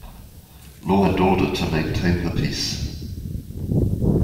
Law and order to maintain the peace.